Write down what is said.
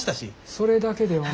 それだけではね。